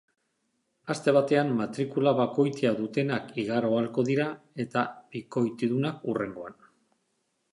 Aste batean matrikula bakoitia dutenak igaro ahalko dira, eta bikoitidunak hurrengoan.